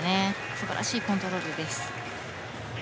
素晴らしいコントロールです。